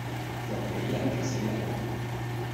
人比人激死人